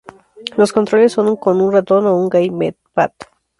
Los controles son con un ratón o un gamepad.